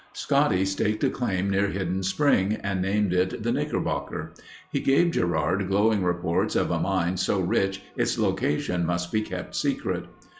Scotty staked a claim near Hidden Spring and named it The Knickerbocker. He gave Gerard glowing reports of a mine so rich its location must be kept secret.